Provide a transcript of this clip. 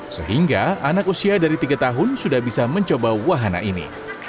sehingga anak usia dari tiga tahun sudah bisa mencoba wahana ini